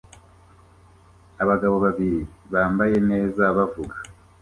Abagabo babiri bambaye neza bavuga